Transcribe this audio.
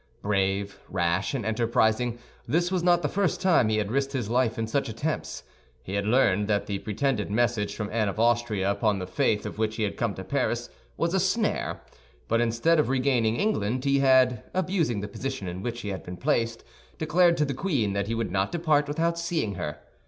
Brave, rash, and enterprising, this was not the first time he had risked his life in such attempts. He had learned that the pretended message from Anne of Austria, upon the faith of which he had come to Paris, was a snare; but instead of regaining England, he had, abusing the position in which he had been placed, declared to the queen that he would not depart without seeing her.